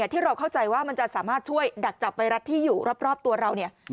ที่เราเข้าใจว่ามันจะสามารถช่วยดักจับไวรัสที่อยู่รอบตัวเราเนี่ย